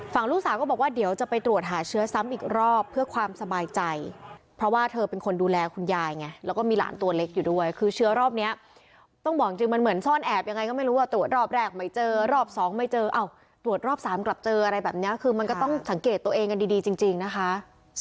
มันแอบยังไงก็ไม่รู้ว่าตรวจรอบแรกไม่เจอรอบสองไม่เจอตรวจรอบสามกลับเจออะไรแบบเนี้ยคือมันก็ต้องสังเกตตัวเองกันดีจริงนะคะ